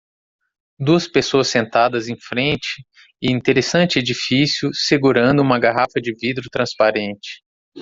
Duas pessoas sentadas em frente e interessante edifício segurando uma garrafa de vidro transparente.